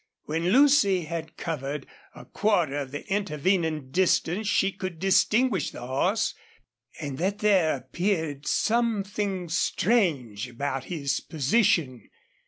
When Lucy had covered a quarter of the intervening distance she could distinguish the horse and that there appeared some thing strange about his position.